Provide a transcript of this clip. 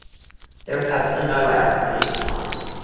There is absolutely no way I can finish on time.